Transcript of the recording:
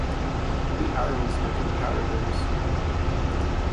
The arrows are comparators.